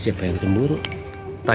siapa yang cemburu ceng